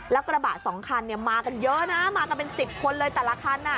แล้วกระบะสองคันมากันเยอะนะมากันเป็น๑๐คนเลยแต่ละคัน